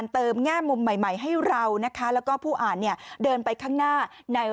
เติมง่ายให้เรานะคะแล้วก็ผู้อ่านเนี่ยเดินไปข้างหน้าใน